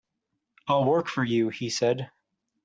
"I'll work for you," he said.